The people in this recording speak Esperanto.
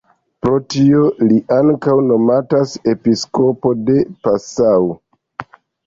Pro tio li ankaŭ nomatas "Episkopo de Passau".